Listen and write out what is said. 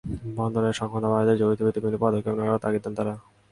বন্দরের সক্ষমতা বাড়াতে জরুরি ভিত্তিতে বিভিন্ন পদক্ষেপ নেওয়ারও তাগিদ দেন তাঁরা।